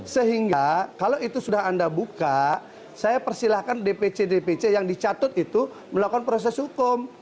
sehingga kalau itu sudah anda buka saya persilahkan dpc dpc yang dicatut itu melakukan proses hukum